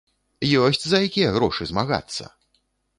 Ёсць за якія грошы змагацца!